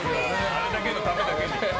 あれだけのためだけに。